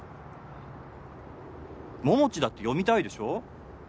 桃地だって読みたいでしょ。